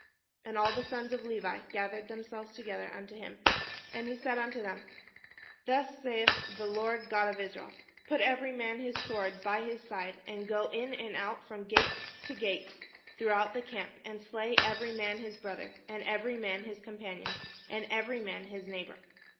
And all the sons of Levi gathered themselves together unto him. And he said unto them, "Thus saith the Lord God of Israel, 'Put every man his sword by his side, and go in and out from gate to gate throughout the camp, and slay every man his brother, and every man his companion, and every man his neighbour.'